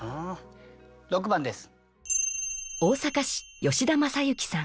６番です。